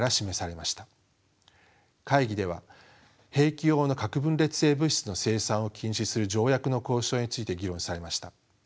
会議では兵器用の核分裂性物質の生産を禁止する条約の交渉について議論されました。